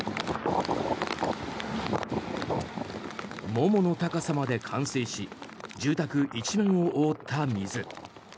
ももの高さまで冠水し住宅一面を覆った水。